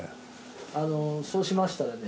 あのそうしましたらね